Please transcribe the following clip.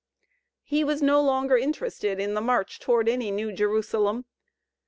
He was no longer interested in the march toward any "New Jerusalem."